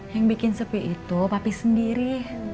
yang bikin sepi itu papi sendiri